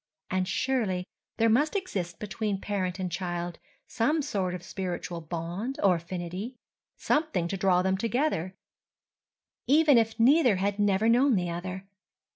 And surely there must exist between parent and child some sort of spiritual bond or affinity, something to draw them together—even if neither had never known the other.